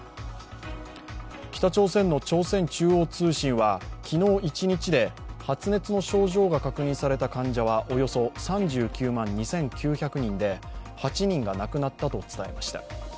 北朝鮮の朝鮮中央通信は昨日一日で発熱の症状が確認された患者はおよそ３９万２９００人で８人が亡くなったと伝えました。